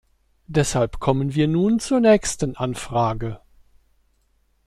Deshalb kommen wir nun zur nächsten Anfrage.